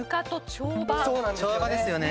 跳馬ですよね。